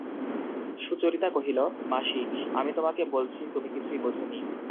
সুচরিতা কহিল, মাসি, আমি তোমাকে বলছি তুমি কিছুই বোঝ নি।